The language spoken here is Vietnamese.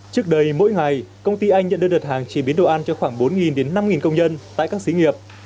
trước đây mỗi ngày công ty anh nhận đơn đặt hàng chế biến đồ ăn cho khoảng bốn đến năm công nhân tại các xí nghiệp